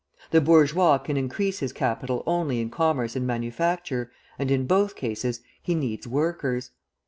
The bourgeois can increase his capital only in commerce and manufacture, and in both cases he needs workers.